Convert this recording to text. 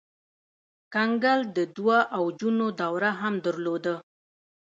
کنګل د دوه اوجونو دوره هم درلوده.